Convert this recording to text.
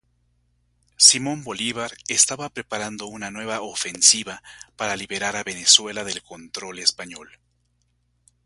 Simón Bolívar estaba preparando una nueva ofensiva para liberar a Venezuela del control español.